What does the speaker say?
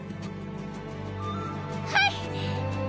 はい！